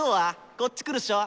こっち来るっしょ？